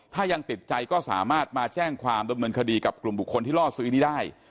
ถ้ายังติดใจก็สามารถมาแจ้งความดำเนินคดีกับกลุ่มบุคคลที่ล่อซื้อนี้ได้